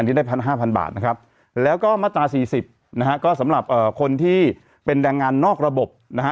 ที่ได้พันห้าพันบาทนะครับแล้วก็มาตรา๔๐นะฮะก็สำหรับคนที่เป็นแรงงานนอกระบบนะฮะ